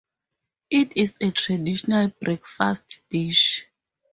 It is a traditional breakfast dish.